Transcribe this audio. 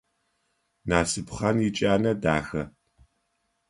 Насыпхъан иджанэ дахэ.